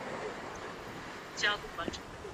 这可以用高斯算法验证。